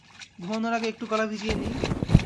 ঘুমানোর আগে একটু গলা ভিজিয়ে নিই?